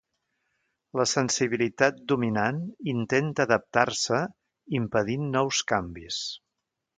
La sensibilitat dominant intenta adaptar-se impedint nous canvis.